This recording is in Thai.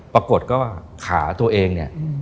ปรากฏก็ขาตัวเองเนี่ย